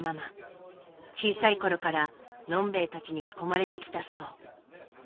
小さいころから呑んべえたちに囲まれてきたそう。